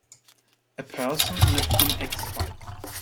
A person on a bmx bike